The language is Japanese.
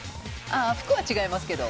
服は違いますけど。